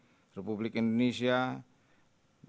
saya selaku ketua subbidang universitas indonesia